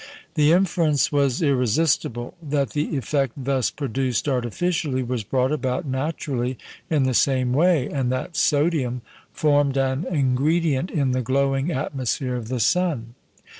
The inference was irresistible, that the effect thus produced artificially was brought about naturally in the same way, and that sodium formed an ingredient in the glowing atmosphere of the sun.